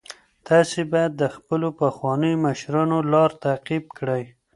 تاسي باید د خپلو پخوانیو مشرانو لار تعقیب کړئ.